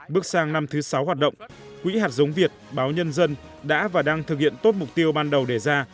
bước sang năm thứ sáu hoạt động quỹ hạt giống việt báo nhân dân đã và đang thực hiện tốt mục tiêu ban đầu đề ra